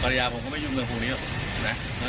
กรณียากูไม่ยุ่งเรืองคงนี้อะ